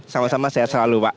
sama sama sehat selalu pak